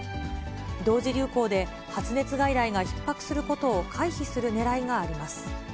同時流行で、発熱外来がひっ迫することを回避するねらいがあります。